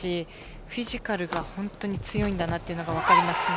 フィジカルが本当に強いんだと分かります。